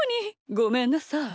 ごめんなさい。